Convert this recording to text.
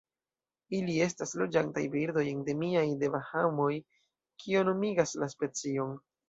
Ili estas loĝantaj birdoj endemiaj de Bahamoj, kio nomigas la specion.